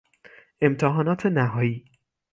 امتحانات نهایی